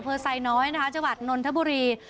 อเภอไซน์น้อยนะครับจังหวัดนนทบุรี